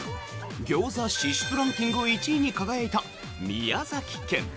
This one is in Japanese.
ギョーザ支出ランキング１位に輝いた宮崎県。